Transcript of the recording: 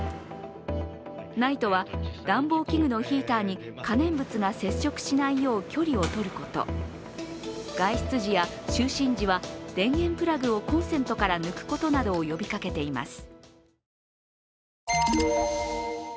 ＮＩＴＥは暖房器具のヒーターに可燃物が接触しないよう距離をとること外出時や就寝時は電源プラグをコンセントから抜くことなどを呼びかけています。